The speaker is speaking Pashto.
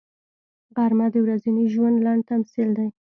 غرمه د ورځني ژوند لنډ تمثیل دی